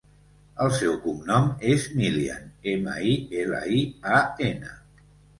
El seu cognom és Milian: ema, i, ela, i, a, ena.